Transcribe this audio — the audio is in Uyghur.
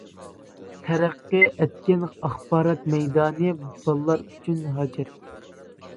تەرەققىي ئەتكەن ئاخبارات مەيدانى بالىلار ئۈچۈن ھاجەت.